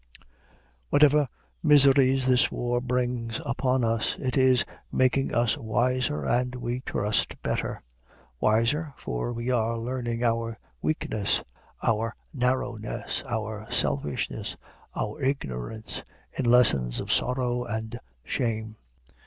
Whatever miseries this war brings upon us, it is making us wiser, and, we trust, better. Wiser, for we are learning our weakness, our narrowness, our selfishness, our ignorance, in lessons of sorrow and shame.